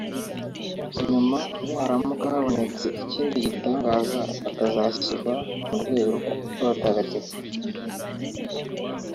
nyuma niharamuka habonetse ikindi gitangaza bakazashyirwa mu rwego rw’Abatagatifu